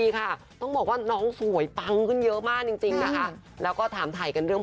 คนนั้นก็คือ